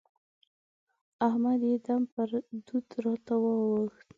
احمد يو دم پر بدو راته واووښت.